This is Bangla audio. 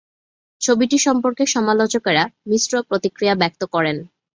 ছবিটি সম্পর্কে সমালোচকেরা মিশ্র প্রতিক্রিয়া ব্যক্ত করেন।